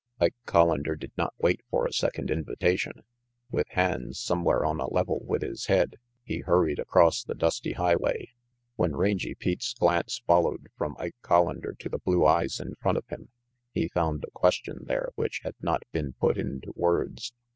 Ike Collander did not wait for a second invitation. With hands somewhere on a level with his head, he hurried across the dusty highway. When Rangy Pete's glance returned from Ike Collander to the blue eyes in front of him, he found a question there which had not been put into words.